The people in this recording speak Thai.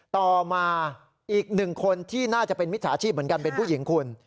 ต่อมาอีกหนึ่งคนที่น่าจะเป็นมิจฉาชีพเหมือนกันเป็นผู้หญิงคุณ